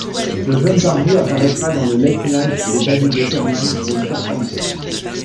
Le jeune barbu apparaîtra dans le Late Night de David Letterman pour une performance.